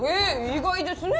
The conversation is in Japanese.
意外ですね。